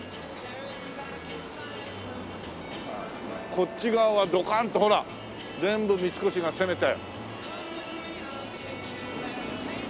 こっち側はドカンとほら全部三越が占めて。